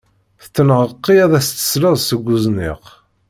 Tettenheqqi ad as-d-tesleḍ seg uzniq.